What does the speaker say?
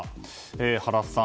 原さん